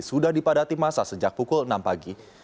sudah dipadati masa sejak pukul enam pagi